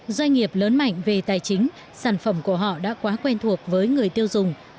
doanh nghiệp lớn mạnh về tài chính sản phẩm của họ đã quá quen thuộc với người tiêu dùng